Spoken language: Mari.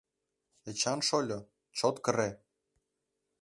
Эчан шольо, чот кыре!